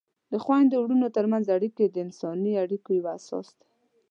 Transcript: د خویندو ورونو ترمنځ اړیکې د انساني اړیکو یوه اساس ده.